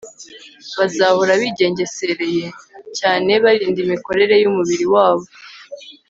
Bazahora bigengesereye cyane barinda imikorere yumubiri wabo